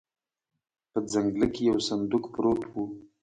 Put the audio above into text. په جنګله کې يو صندوق پروت و.